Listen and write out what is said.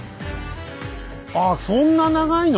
あっそんな長いの⁉